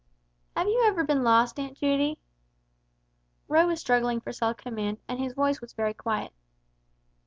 "Have you ever been lost, Aunt Judy?" Roy was struggling for self command, and his voice was very quiet.